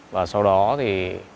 và sau đó thì